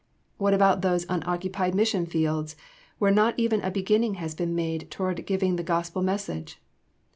What about those "unoccupied mission fields" where not even a beginning has been made toward giving the Gospel message?